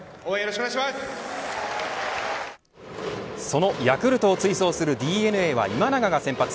そのヤクルトを追走するＤｅＮＡは今永が先発。